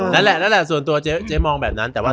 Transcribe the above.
บอกถึงมะนั่ง